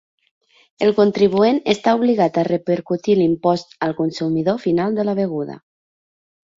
El contribuent està obligat a repercutir l'impost al consumidor final de la beguda.